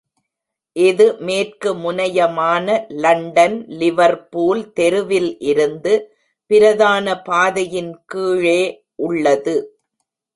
இது மேற்கு முனையமான London Liverpool தெருவில் இருந்து பிரதான பாதையின் கீழே உள்ளது.